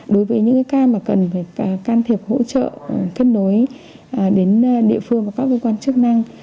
đối với những ca mà cần phải can thiệp hỗ trợ kết nối đến địa phương và các cơ quan chức năng